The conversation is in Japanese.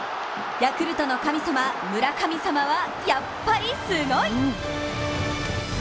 ヤクルトの神様・村神様はやっぱりすごい！